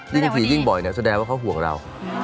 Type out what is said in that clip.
ยิ่งผียิ่งบ่อยแสดงว่าเขาห่วงเรา